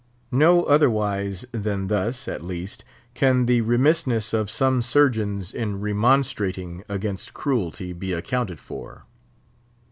No otherwise than thus, at least, can the remissness of some surgeons in remonstrating against cruelty be accounted for.